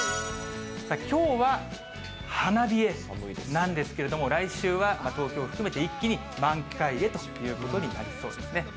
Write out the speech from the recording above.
きょうは花冷えなんですけれども、来週は東京含めて一気に満開へということになりそうですね。